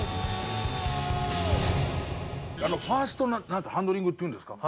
あのファーストのハンドリングっていうんですか？